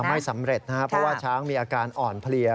ไม่สำเร็จนะครับเพราะว่าช้างมีอาการอ่อนเพลีย